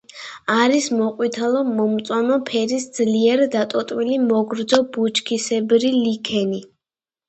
არის მოყვითალო-მომწვანო ფერის ძლიერ დატოტვილი მოგრძო ბუჩქისებრი ლიქენი.